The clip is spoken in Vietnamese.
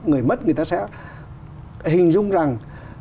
người mất người ta sẽ hình dung rằng